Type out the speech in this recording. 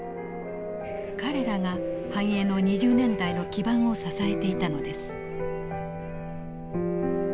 彼らが繁栄の２０年代の基盤を支えていたのです。